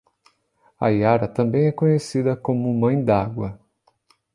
A iara também é conhecida como mãe d'água